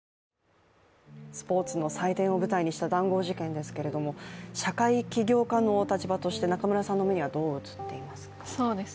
スポーツの祭典を舞台にした談合事件ですけれども、社会起業家のお立場として中村さんの目にはどう映っていますか？